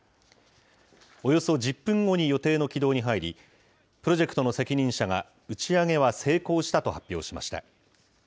およそ１０分後に予定の軌道に入り、プロジェクトの責任者が打ち上げは成功したと発表しました。